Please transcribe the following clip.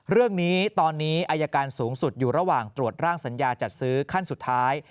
เรื่องนี้ตอนนี้อายการสูงสุดอยู่ระหว่างตรวจร่างสัญญาจัดซื้อขั้นสุดท้าย